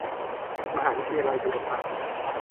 มหาวิทยาลัยบูรพา